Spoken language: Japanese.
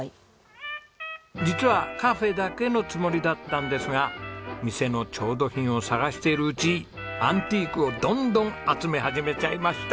実はカフェだけのつもりだったんですが店の調度品を探しているうちアンティークをどんどん集め始めちゃいました。